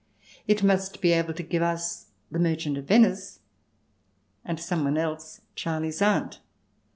It must be able to give us the " Merchant of Venice" and someone else "Charley's Aunt."